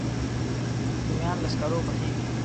رومیان له سکرو پخېږي